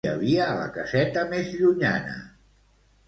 Qui hi havia a la caseta més llunyana?